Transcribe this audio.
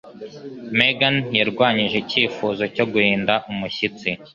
Megan yarwanyije icyifuzo cyo guhinda umushyitsi.